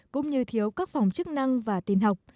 cũng như thiếu các phòng chức năng và tiền học